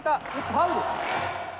ファウル。